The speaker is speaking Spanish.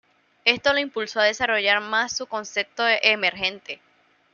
Esto lo impulsó a desarrollar más su concepto emergente.